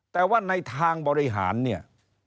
แต่ว่าในทางบริหารเนี่ย